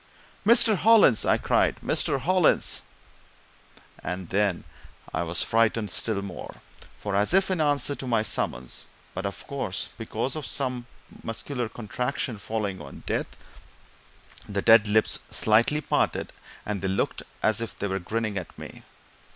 "Mr. Hollins!" I cried. "Mr. Hollins!" And then I was frightened still more, for, as if in answer to my summons, but, of course, because of some muscular contraction following on death, the dead lips slightly parted, and they looked as if they were grinning at me.